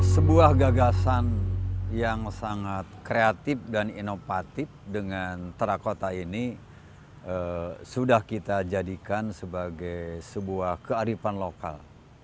sebuah gagasan yang sangat kreatif dan inovatif dengan terakota ini sudah kita jadikan sebagai sebuah kearifan lokal